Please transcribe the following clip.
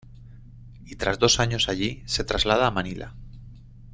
Y tras dos años allí se traslada a Manila.